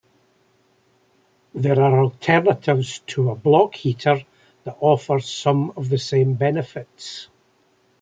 There are alternatives to a block heater that offer some of the same benefits.